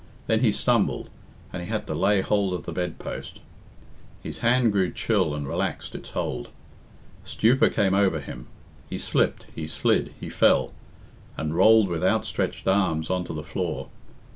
Then he stumbled, and he had to lay hold of the bedpost. His hand grew chill and relaxed its hold. Stupor came over him. He slipped, he slid, he fell, and rolled with outstretched arms on to the floor.